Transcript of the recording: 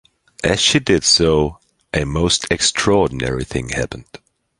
As she did so, a most extraordinary thing happened.